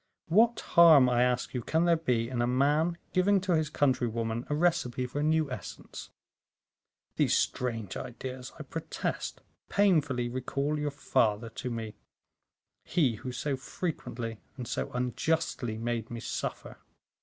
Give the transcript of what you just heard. What harm, I ask you, can there be in a man giving to his countrywoman a recipe for a new essence? These strange ideas, I protest, painfully recall your father to me; he who so frequently and so unjustly made me suffer."